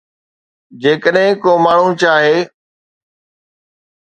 جيڪڏهن ڪو ماڻهو چاهي